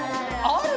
ある？